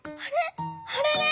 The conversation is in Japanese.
あれれ？